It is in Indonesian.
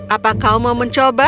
apa kau mau mencoba